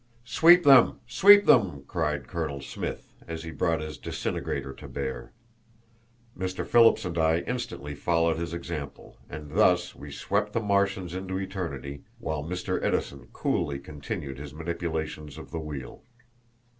"Sweep them! Sweep them!" cried Colonel Smith, as he brought his disintegrator to bear. Mr. Phillips and I instantly followed his example, and thus we swept the Martians into eternity, while Mr. Edison coolly continued his manipulations of the wheel.